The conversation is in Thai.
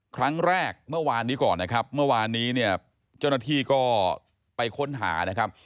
ครั้งแรกเมื่อวานนี้ก่อนนะครับเมื่อวานนี้เนี่ยเจ้าหน้าที่ก็ไปค้นหานะครับ